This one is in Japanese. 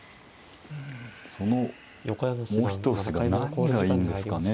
そのもう一押しが何がいいんですかね。